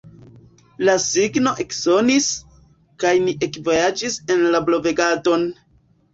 La signo eksonis, kaj ni ekvojaĝis en la blovegadon.